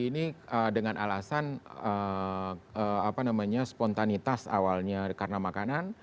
ini dengan alasan spontanitas awalnya karena makanan